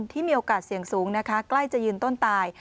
ที่มีโอกาสเสี่ยงสูงนะคะใกล้จะยืนต้นตาย